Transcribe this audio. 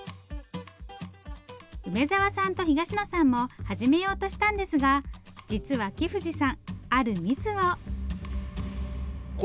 梅沢さんと東野さんも始めようとしたんですが実は木藤さんあるミスを。